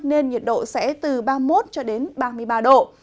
nên nhiệt độ sẽ từ ba mươi một cho đến ba mươi ba độ